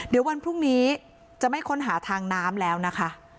เดี๋ยววันพรุ่งนี้จะไม่ค้นหาทางน้ำแล้วนะคะ